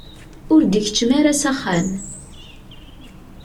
Ur d-ikeččem ara s axxam.